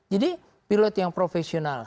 jadi pilot yang profesional